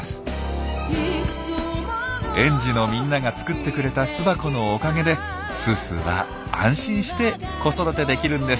園児のみんなが作ってくれた巣箱のおかげですーすーは安心して子育てできるんです。